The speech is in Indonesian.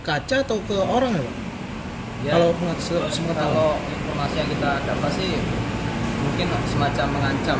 kaca atau ke orang kalau mengakses semua kalau informasi kita ada pasti mungkin semacam mengancam